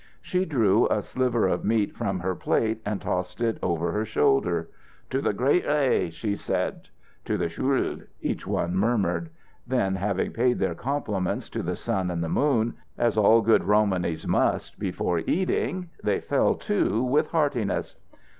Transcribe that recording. She drew a sliver of meat from her plate and tossed it over her shoulder. "To the great ré" she said. "To the shule," each one murmured. Then, having paid their compliments to the sun and the moon, as all good Romanys must before eating, they fell to with heartiness.